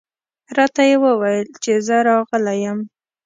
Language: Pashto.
راته یې وویل چې زه راغلی یم.